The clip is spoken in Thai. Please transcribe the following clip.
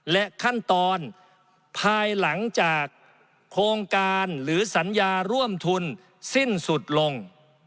และขั้นตอนภายหลังจากโครงการหรือสัญญาร่วมทุนสิ้นสุดลง